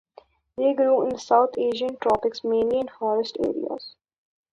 They grow in the South Asian tropics mainly in forest areas.